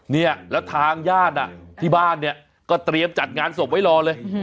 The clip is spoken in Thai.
เนี่ยแล้วทางญาติที่บ้านเนี่ยก็เตรียมจัดงานศพไว้รอเลย